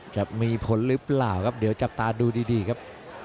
จะมีผลหรือเปล่าครับเดี๋ยวจับตาดูดีครับ